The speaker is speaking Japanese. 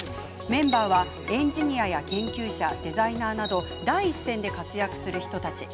メンバーはエンジニアや研究者デザイナーなど第一線で活躍する人たち。